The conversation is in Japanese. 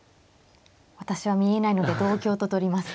私は見えないので同香と取ります。